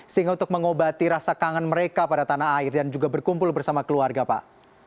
sehingga untuk mengobati rasa kangen mereka pada tanah air dan juga berkumpul bersama keluarga pak